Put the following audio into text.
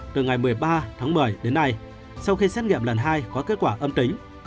từ ngày một mươi ba tháng một mươi đến nay sau khi xét nghiệm lần hai có kết quả âm tính